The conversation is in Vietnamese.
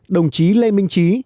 đồng chí lê minh trí